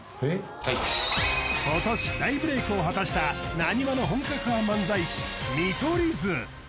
今年大ブレイクを果たした浪速の本格派漫才師見取り図